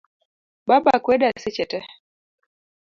Baba kweda seche tee.